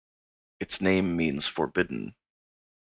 Its name means "forbidden".